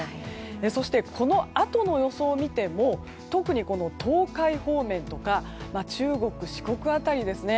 そして、このあとの予想を見ても特に東海方面とか中国・四国辺りですね。